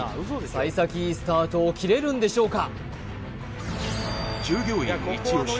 幸先いいスタートを切れるんでしょうか？